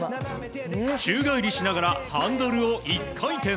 宙返りしながらハンドルを１回転。